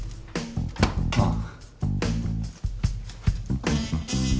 ああ。